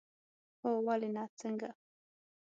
هو، ولې نه، څنګه؟